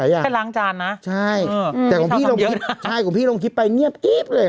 แค่ล้างจานน่ะใช่อืมแต่ของพี่ลงคลิปใช่ของพี่ลงคลิปไปเงียบอี๊บเลย